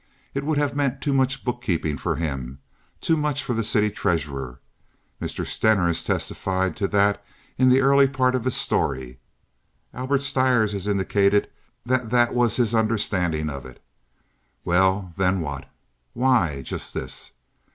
It would have meant too much bookkeeping for him—too much for the city treasurer. Mr. Stener has testified to that in the early part of his story. Albert Stires has indicated that that was his understanding of it. Well, then what? Why, just this.